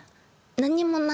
何にもない。